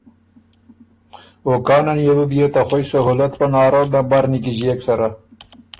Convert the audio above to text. او کانه نيې بُو بيې ته خوئ سهولت پناره لمبر نیکیݫيېک سره۔